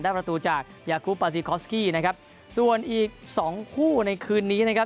ประตูจากยากุปาติคอสกี้นะครับส่วนอีกสองคู่ในคืนนี้นะครับ